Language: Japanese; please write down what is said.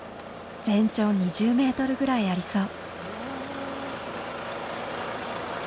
全長２０メートルぐらいありそう。